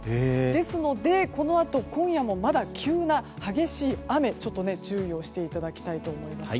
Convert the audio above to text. ですので、このあと今夜もまだ急な激しい雨注意をしていただきたいと思います。